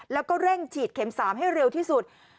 แล้วก็เร่งฉีดเข็ม๓ให้เร็วที่สุด